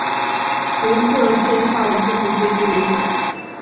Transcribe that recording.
角色介绍以最后结局为准。